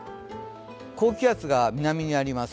高気圧が南にあります。